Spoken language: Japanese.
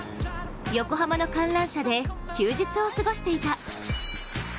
横浜の観覧車で休日を過ごしていた。